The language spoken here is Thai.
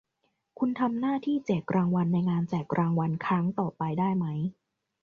คุณทำหน้าที่แจกรางวัลในงานแจกรางวัลครั้งต่อไปได้มั้ย